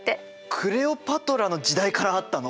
クレオパトラの時代からあったの？